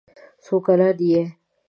څو کلن یې؟